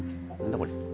これ。